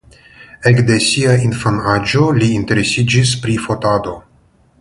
Ekde sia infanaĝo li interesiĝis pri fotado.